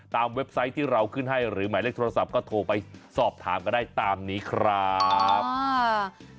เว็บไซต์ที่เราขึ้นให้หรือหมายเลขโทรศัพท์ก็โทรไปสอบถามก็ได้ตามนี้ครับอ่า